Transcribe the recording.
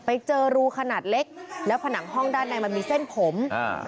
ไปเจอรูขนาดเล็กแล้วผนังห้องด้านในมันมีเส้นผมอ่า